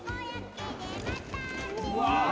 うわ。